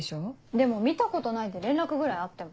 でも見たことないって連絡ぐらいあっても。